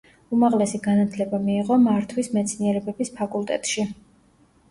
უმაღლესი განათლება მიიღო მართვის მეცნიერებების ფაკულტეტში.